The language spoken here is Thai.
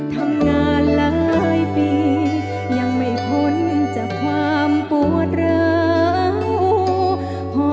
ทำงานหลายปียังไม่พ้นจากความปวดร้าว